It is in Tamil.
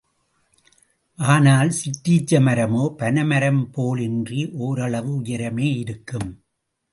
ஆனால், சிற்றீச்ச மரமோ, பனை மரம் போல் இன்றி ஓரளவு உயரமே இருக்கும்.